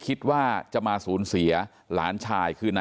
ตลอดทั้งคืนตลอดทั้งคืน